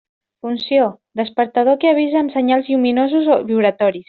Funció: despertador que avisa amb senyals lluminosos o vibratoris.